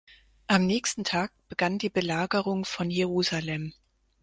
Am nächsten Tag begann die Belagerung von Jerusalem.